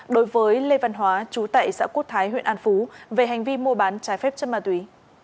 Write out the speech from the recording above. đối với lê văn hóa chú tại xã quốc thái huyện an phú về hành vi mua bán trái phép chất ma túy